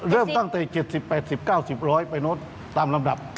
เริ่มตั้งแต่๗๐๘๐๙๐๑๐๐ไปลดตามลำดับ